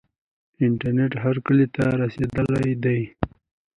انټرنیټ هر کلي ته رسیدلی دی.